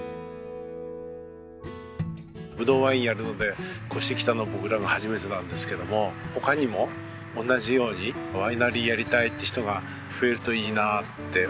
ブドウワインやるので越してきたのは僕らが初めてなんですけども他にも同じようにワイナリーやりたいって人が増えるといいなって思います。